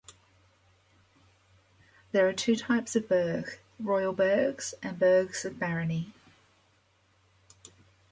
There are two types of burgh: royal burghs and burghs of barony.